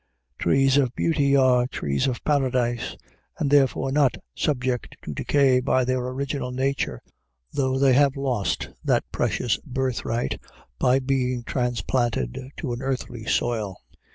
Trees of beauty are trees of paradise, and therefore not subject to decay by their original nature, though they have lost that precious birthright by being transplanted to an earthly soil.